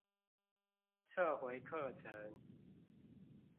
撤回課程